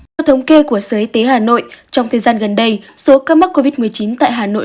theo thống kê của sở y tế hà nội trong thời gian gần đây số ca mắc covid một mươi chín tại hà nội